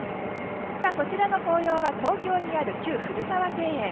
こちらの紅葉は東京にある旧古河庭園。